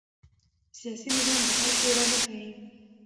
سیاسي نظام د خلکو اراده ښيي